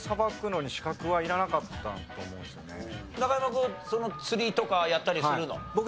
君釣りとかやったりするの？